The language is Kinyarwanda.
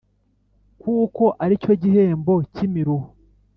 kuko ali cyo gihembo cy’imiruho